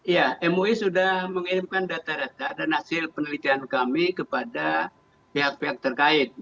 ya mui sudah mengirimkan data data dan hasil penelitian kami kepada pihak pihak terkait